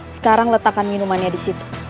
sekarang letakkan minumannya disitu